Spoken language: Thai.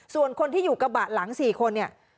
ส่วนคนที่อยู่กระบะหลัง๔คนเนี่ย